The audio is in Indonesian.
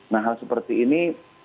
nah hal seperti ini